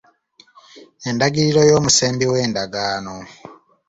Endagiriro y'omusembi w'endagaano.